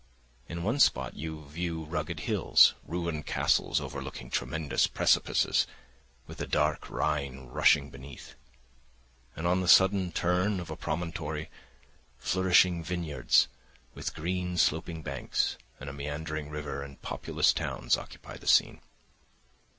In one spot you view rugged hills, ruined castles overlooking tremendous precipices, with the dark Rhine rushing beneath; and on the sudden turn of a promontory, flourishing vineyards with green sloping banks and a meandering river and populous towns occupy the scene.